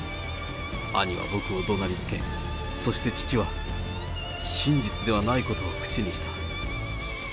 兄は僕をどなりつけ、そして父は、真実ではないことを口にした。